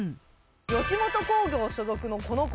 吉本興業所属のこの子。